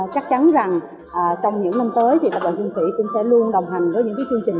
chắc chắn rằng trong những năm tới thì tập đoàn trung thủy cũng sẽ luôn đồng hành với những chương trình